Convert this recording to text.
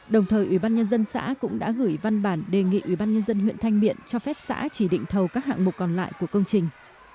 đồng thời ủy ban nhân dân xã cũng đã gửi văn bản đề nghị ủy ban nhân dân huyện thanh miện cho phép xã chỉ định thầu các hạng mục còn lại của công trình